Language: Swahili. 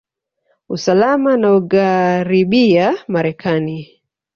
usalama na ugharibiya marekani